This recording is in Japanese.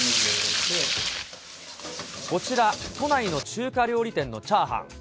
こちら、都内の中華料理店のチャーハン。